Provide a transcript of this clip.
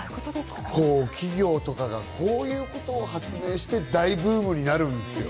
企業とかがこういうことを発明して大ブームになるんですよ。